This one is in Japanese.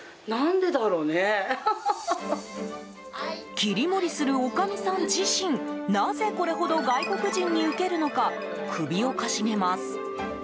切り盛りするおかみさん自身なぜこれほど外国人にウケるのか首をかしげます。